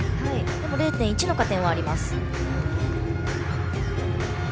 でも０．１の加点はあります。